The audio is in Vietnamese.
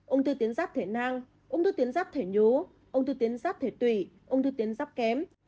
ung thư tiến giáp thể nang ung thư tiến giáp thể nhú ung thư tiến giáp thể tủy ung thư tiến giáp kém